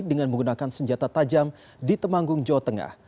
dengan menggunakan senjata tajam di temanggung jawa tengah